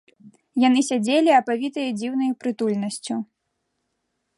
Яны сядзелі, апавітыя дзіўнай прытульнасцю.